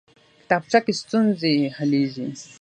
کتابچه کې ستونزې حلېږي